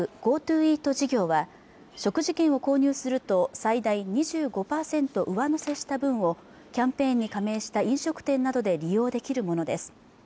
ＧｏＴｏイート事業は食事券を購入すると最大２５％上乗せした分をキャンペーンに加盟した飲食店などで利用できるものです